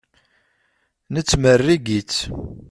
Nettmerrig-itt.